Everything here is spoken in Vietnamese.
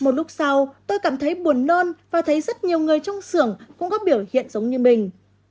một lúc sau tôi cảm thấy buồn nôn và thấy rất nhiều người trong xưởng cũng có biểu hiện giống như mình